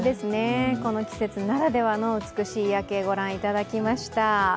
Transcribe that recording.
この季節ならではの美しい夜景、御覧いただきました。